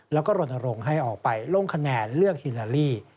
แล้วก็รณรงค์ให้ออกไปลงคะแนนเลือกฮิลาลี